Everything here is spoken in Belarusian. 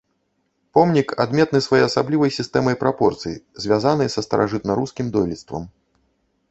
Помнік адметны своеасаблівай сістэмай прапорцый, звязанай са старажытна-рускім дойлідствам.